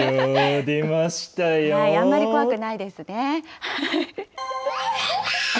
あんまり怖くないですね。